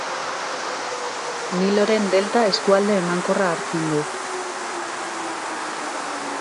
Niloren delta eskualde emankorra hartzen du.